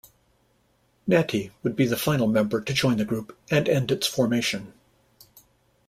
Natti would be the final member to join the group and end its formation.